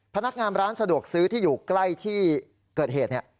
พนักงานร้านสะดวกซื้อที่อยู่ใกล้ที่เกิดเหตุ